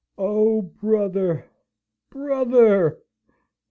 O brother, brother!